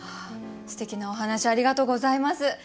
すてきなお話ありがとうございます。